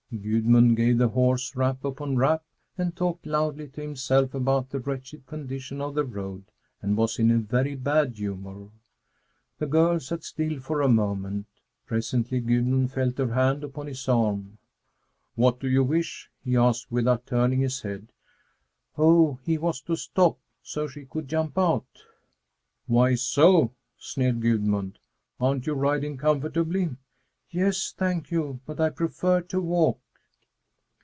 Gudmund gave the horse rap upon rap and talked loudly to himself about the wretched condition of the road and was in a very bad humor. The girl sat still for a moment; presently Gudmund felt her hand upon his arm. "What do you wish?" he asked without turning his head. Oh, he was to stop, so she could jump out. "Why so?" sneered Gudmund. "Aren't you riding comfortably?" "Yes, thank you, but I prefer to walk."